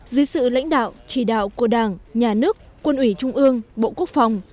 dưới sự lãnh đạo chỉ đạo của đảng nhà nước quân ủy trung ương bộ quốc phòng